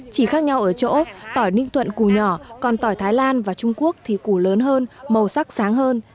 chỉ khác nhau ở chỗ tỏi ninh tuận cù nhỏ còn tỏi thái lan và trung quốc thì củ lớn hơn màu sắc sáng hơn